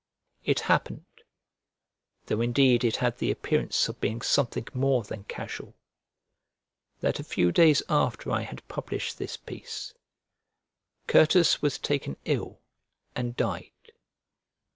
It happened (though indeed it had the appearance of being something more than casual) that a few days after I had published this piece, Certus was taken ill and died.